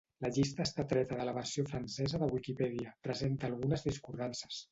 La llista està treta de la versió francesa de Wikipedia; presenta algunes discordances.